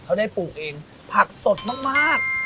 เขาได้ปลูกเองผักสดมาก